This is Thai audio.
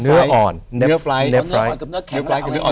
เนื้ออ่อนกับเนื้อแข็ง